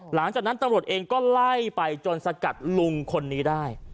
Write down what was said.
หลังจากนั้นตำรวจเองก็ไล่ไปจนสกัดลุงคนนี้ได้